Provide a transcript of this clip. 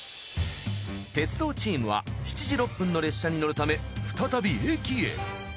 鉄道チームは７時６分の列車に乗るため再び駅へ。